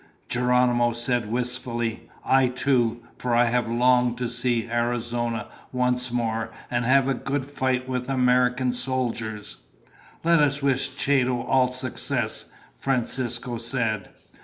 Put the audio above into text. Geronimo said wistfully, "I too, for I have longed to see Arizona once more and have a good fight with American soldiers." "Let us wish Chato all success," Francisco said.